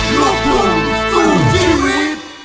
๒แสนบาทคุณเกดแก้วร้อย